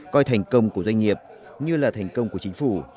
coi thành công của doanh nghiệp như là thành công của chính phủ